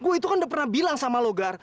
gar gue itu kan udah pernah bilang sama lo gar